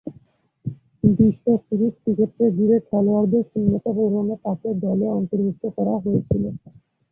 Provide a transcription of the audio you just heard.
বিশ্ব সিরিজ ক্রিকেটকে ঘিরে খেলোয়াড়দের শূন্যতা পূরণে তাকে দলে অন্তর্ভুক্ত করা হয়েছিল।